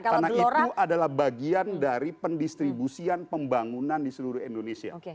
karena itu adalah bagian dari pendistribusian pembangunan di seluruh indonesia